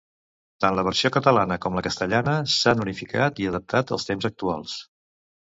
Tant la versió catalana com la castellana s'han unificat i adaptat als temps actuals.